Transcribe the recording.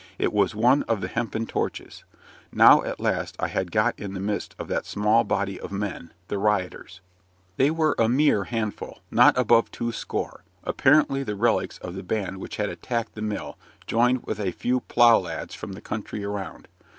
It was one of the hempen torches. Now, at last, I had got in the midst of that small body of men, "the rioters." They were a mere handful not above two score apparently the relics of the band which had attacked the mill, joined with a few plough lads from the country around.